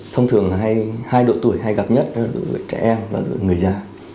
thông thường là hai độ tuổi hay gặp nhất là trẻ em và người già